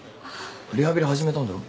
リハビリ始めたんだろ？